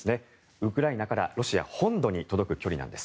ウクライナからロシア本土に届く距離なんです。